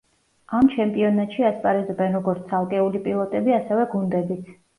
ამ ჩემპიონატში ასპარეზობენ როგორც ცალკეული პილოტები, ასევე გუნდებიც.